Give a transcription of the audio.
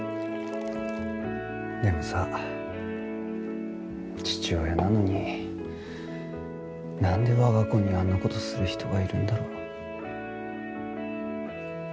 でもさ父親なのになんで我が子にあんな事する人がいるんだろう。